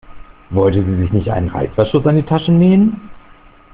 Wollte sie sich nicht einen Reißverschluss an die Tasche nähen?